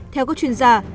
theo các chuyên gia